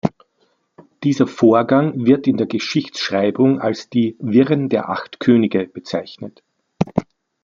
Dieser Vorgang wird in der Geschichtsschreibung als die "Wirren der acht Könige" bezeichnet.